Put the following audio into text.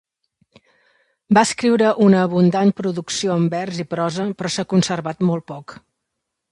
Va escriure una abundant producció en vers i prosa però s'ha conservat molt poc.